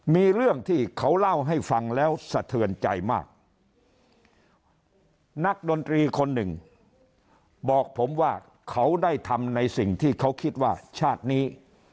มีเรื่องที่เขาเล่าให้ฟังแล้วสะเทือนใจมากนักดนตรีคนหนึ่งบอกผมว่าเขาได้ทำในสิ่งที่เขาคิดว่าชาตินี้